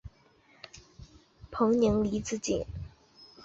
彭宁离子阱。